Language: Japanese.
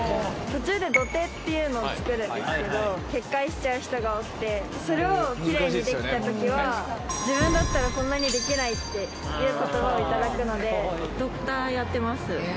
途中で土手っていうのを作るんですけどそれをきれいにできたときは「自分だったらこんなにできない」っていう言葉をいただくのでドクターやってます